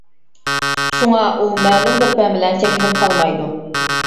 شۇڭا، ئۇ مەلۇم بىر پەن بىلەن چەكلىنىپ قالمايدۇ.